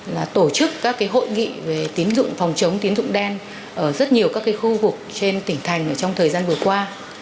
là tổ chức các hội nghị về tín dụng phòng chống tín dụng đen ở rất nhiều các khu vực trên tỉnh thành trong thời gian vừa qua